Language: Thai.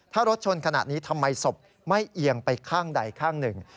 ถ้ารถชนขนาดนี้ทำไมศพไม่เอียงไปข้างใดข้างหนึ่ง